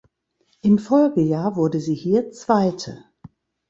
Im Folgejahr wurde sie hier Zweite.